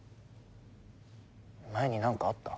前になんかあった？